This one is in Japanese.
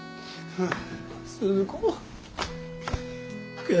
はあ？